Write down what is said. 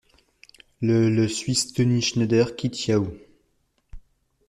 Le le suisse Toni Schneider quitte Yahoo!